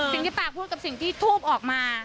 สิ่งที่ป่าพูดกับสิ่งที่ทูบออกมา